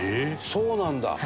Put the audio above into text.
そうなんだ。